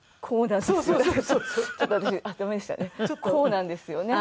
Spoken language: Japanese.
こうなんですよね。